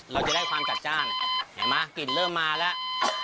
เราจะได้ความจัดจ้านเห็นไหมกลิ่นเริ่มมาแล้ว